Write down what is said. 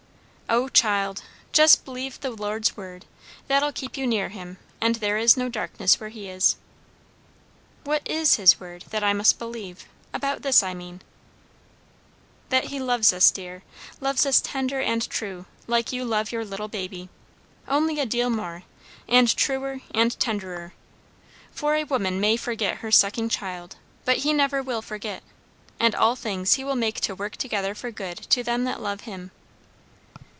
"O, child, jes' believe the Lord's word. That'll keep you near him; and there is no darkness where he is." "What is his word, that I must believe? about this, I mean." "That he loves us, dear; loves us tender and true; like you love your little baby, only a deal more; and truer, and tenderer. For a woman may forget her sucking child, but he never will forget. And all things he will make to 'work together for good to them that love him.'"